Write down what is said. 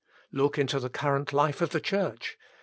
Look into the current life of the Church.